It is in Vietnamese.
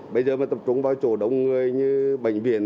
bây giờ mà tập trung vào chỗ đông người như bệnh viện